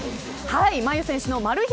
真佑選手のマル秘